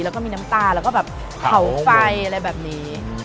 แล้วก็มีน้ำตาแล้วก็แบบเผาไฟอะไรแบบนี้